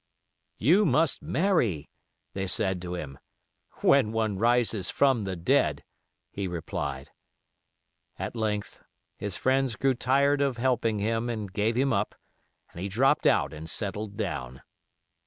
"You must marry," they said to him. "When one rises from the dead," he replied. At length, his friends grew tired of helping him and gave him up, and he dropped out and settled down.